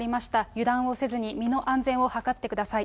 油断をせずに身の安全を図ってください。